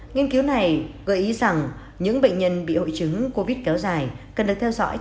nghiên cứu này gợi ý rằng những bệnh nhân bị hội chứng covid kéo dài cần được theo dõi thần kinh lâu dài